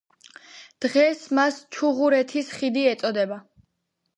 დღეს მას ჩუღურეთის ხიდი ეწოდება.